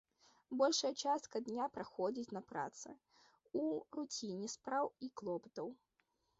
Большая частка дня праходзіць на працы, у руціне спраў і клопатаў.